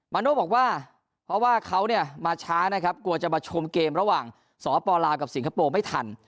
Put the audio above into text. โน่บอกว่าเพราะว่าเขาเนี่ยมาช้านะครับกลัวจะมาชมเกมระหว่างสปลาวกับสิงคโปร์ไม่ทัน